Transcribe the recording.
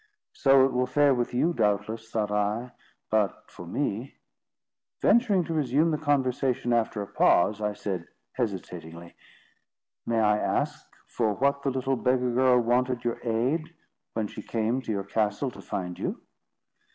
"So it will fare with you, doubtless," thought I; "but for me— " Venturing to resume the conversation after a pause, I said, hesitatingly: "May I ask for what the little beggar girl wanted your aid, when she came to your castle to find you?"